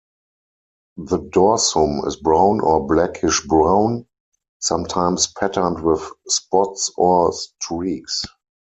The dorsum is brown or blackish brown; sometimes patterned with spots or streaks.